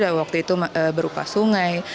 dan waktu itu berupa sungai